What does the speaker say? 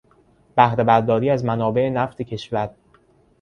بهره برداری از منابع نفت کشور